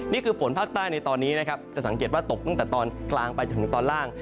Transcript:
นี่คือฝนภาคใต้ในตอนนี้นะครับจะสังเกตว่าตกตั้งแต่ตอนกลางไปจนถึงตอนล่าง